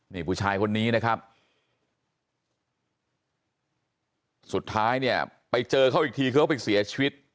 นี่ผู้ชายคนนี้นะครับสุดท้ายเนี่ยไปเจอเขาอีกทีคือเขาไปเสียชีวิต